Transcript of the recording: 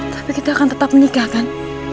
tapi kita akan tetap menikah kan